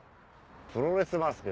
「プロレスマスク」